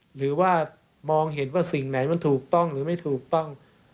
หรือว่ามองเห็นว่าสิ่งไหนมันถูกต้องหรือไม่ถูกต้อง